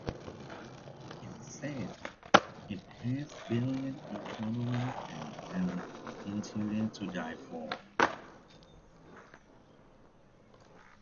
It said it had brilliant economy and an interior to die for.